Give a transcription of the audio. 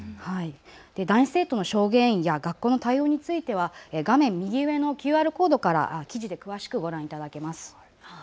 男子生徒の証言や学校の対応については画面右上のＱＲコードから記事で詳しくご覧いただけます。